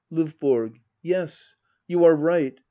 LdVBORG. Yes, you are right.